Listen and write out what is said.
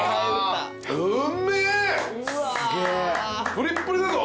プリップリだぞ。